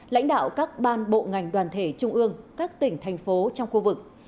lãnh đạo các ban bộ ngành đoàn thể trung ương các tỉnh thành phố trong khu vực